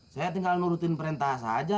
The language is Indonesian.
saya tinggal nurutin perintah saja